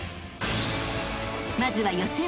［まずは予選。